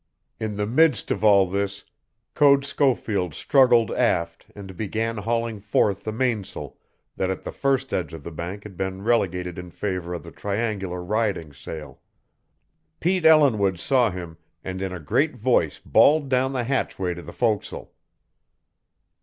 In the midst of all this Code Schofield struggled aft and began hauling forth the mains'l that at the first edge of the Bank had been relegated in favor of the triangular riding sail. Pete Ellinwood saw him, and in a great voice bawled down the hatchway to the fo'c's'le.